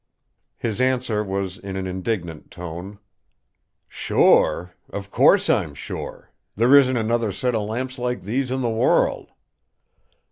His answer was in an indignant tone: "Sure! Of course I'm sure. There isn't another set of lamps like these in the world!"